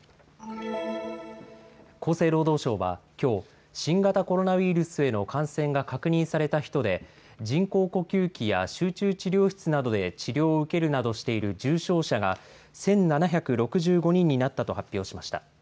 厚生労働省は、きょう新型コロナウイルスへの感染が確認された人で人工呼吸器や集中治療室などで治療を受けるなどしている重症者が１７６５人になったと発表しました。